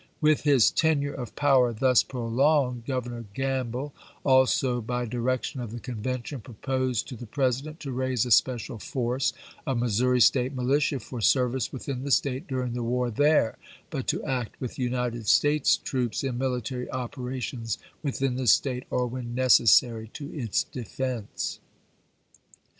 With his tenure of power thus prolonged, Governor Gamble, also by direction of the Conven tion, proposed to the President to raise a special force of Missouri State militia for service within the State during the war there, but to act with the United States troops in military operations within the State or when necessary to its defense.